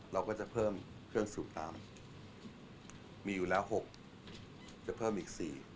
เราก็จะเพิ่มเครื่องสูบน้ำมีอยู่แล้ว๖จะเพิ่มอีก๔